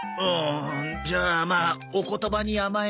じゃあまあお言葉に甘えて。